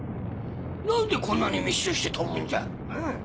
何でこんなに密集して飛ぶんじゃ？